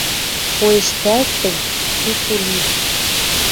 Коэштӓлт тӹнь, сусу ли!